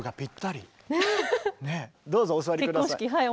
どうぞお座り下さい。